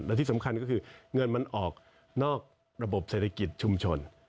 และที่สำคัญก็คือเงินมันออกนอกระบบเศรษฐกิจชุมชน